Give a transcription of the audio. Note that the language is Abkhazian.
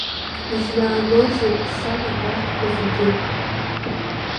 Измааноузеи, сан, абарҭқәа зегьы?